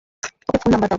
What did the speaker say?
ওকে phone number দাও।